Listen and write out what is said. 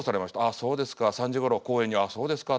あそうですか３時ごろ公園にあそうですか」